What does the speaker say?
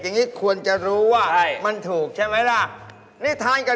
อันนี้น่าจะก้อนทางเจ๊ฟรี่แล้วล่ะ